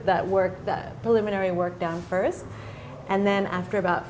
jadi kami harus menurunkan proses tersebut